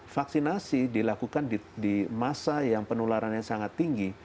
vaksinasi dilakukan di masa yang penularannya sangat tinggi